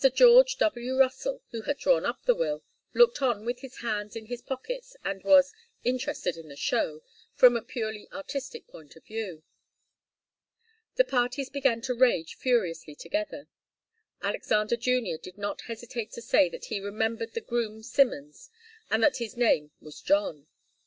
George W. Russell, who had drawn up the will, looked on with his hands in his pockets, and was 'interested in the show' from a purely artistic point of view. The parties began to rage furiously together. Alexander Junior did not hesitate to say that he remembered the groom Simmons, and that his name was John.